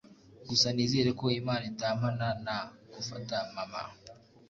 Gusa nizere ko Imana itampana na ... gufata mama.